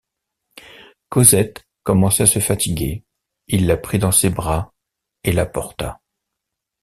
Cosette commençait à se fatiguer, il la prit dans ses bras, et la porta.